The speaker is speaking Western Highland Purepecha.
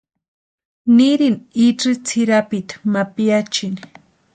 Nirini itsï tsʼirapiti ma piachini.